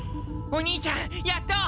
お兄ちゃんやっと。